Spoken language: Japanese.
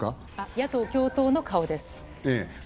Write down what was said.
野党共闘の顔です。